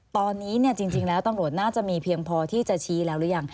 ตอนนี้จริงแล้วตำรวจน่าจะมีเพียงพอที่จะชี้แล้วหรือยัง